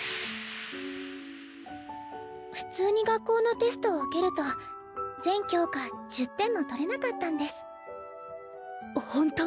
普通に学校のテストを受けると全教科１０点も取れなかったんです。